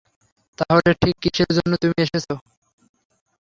তাহলে ঠিক কীসের জন্য তুমি এসেছো?